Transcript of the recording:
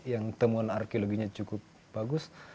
yang temuan arkeologinya cukup bagus